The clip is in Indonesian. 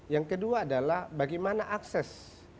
yang kedua adalah bagaimana akses